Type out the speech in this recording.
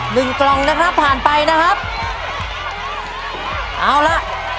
หนึ่งกล่องนะครับผ่านไปนะครับเอาล่ะ